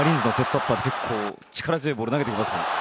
アッパーで力強いボールを投げていますが。